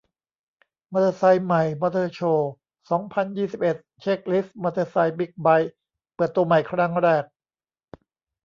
มอเตอร์ไซค์ใหม่มอเตอร์โชว์ สองพันยี่สิบเอ็ด เช็กลิสต์มอเตอร์ไซค์ บิ๊กไบค์ เปิดตัวใหม่ครั้งแรก